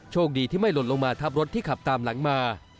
คดีที่ไม่หล่นลงมาทับรถที่ขับตามหลังมา